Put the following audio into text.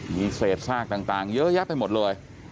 มีเศษซากต่างเยอะแยะไปหมดเลย